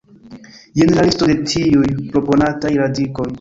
Jen la listo de tiuj proponataj radikoj.